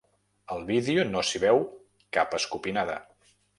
Al vídeo no s’hi veu cap escopinada.